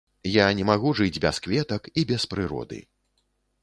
Я не магу жыць без кветак і без прыроды.